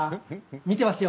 見てますよ。